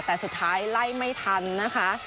แต่สุดท้ายไล่ไม่ทันนะคะ